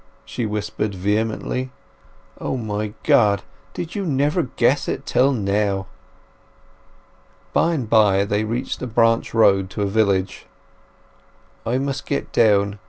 she whispered vehemently. "O my God! did you never guess it till now!" By and by they reached a branch road to a village. "I must get down.